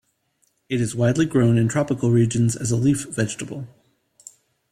It is widely grown in tropical regions as a leaf vegetable.